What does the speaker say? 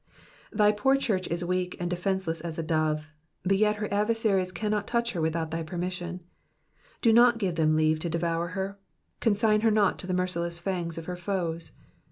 ''^ Thy poor church is weak and defenceless as a dove, but yet her adversaries cannot touch her without thy permission ; do not give them leave to devour her, consign her not to the merciless fangs of her foes.